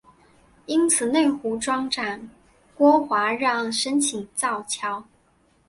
因此内湖庄长郭华让申请造桥。